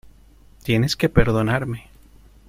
tienes que perdonarme.